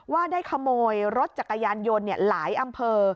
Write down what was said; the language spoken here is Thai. ว่าได้ขโมยรถจักรยานยนต์หลายอำเภอ